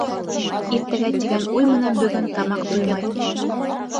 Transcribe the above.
«Иртәгә» тигән уй менән бөгөн тамаҡ туймай.